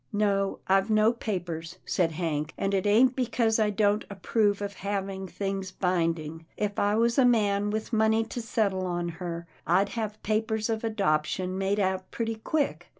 " No, I've no papers," said Hank, " and it ain't because I don't approve of having things binding. If I was a man with money to settle on her, I'd have papers of adoption made out pretty quick.